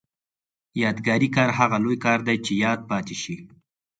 یادګاري کار هغه لوی کار دی چې یاد پاتې شي.